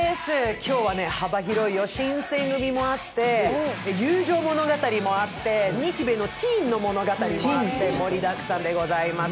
今日は新選組もあって友情物語もあって、日米のティーンの物語もあって盛りだくさんでございます。